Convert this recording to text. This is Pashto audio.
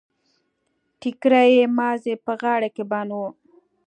ټکری يې مازې په غاړه کې بند و.